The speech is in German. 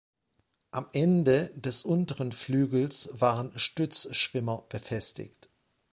Am Ende des unteren Flügels waren Stützschwimmer befestigt.